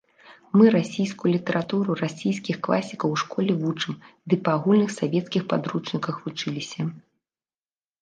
Мы расійскую літаратуру, расійскіх класікаў у школе вучым, ды па агульных савецкіх падручніках вучыліся.